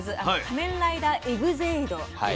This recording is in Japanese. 「仮面ライダーエグゼイド」